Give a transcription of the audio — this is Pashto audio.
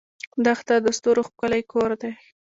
دښته د ستورو ښکلی کور دی.